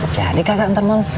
jadi kagak ntar mau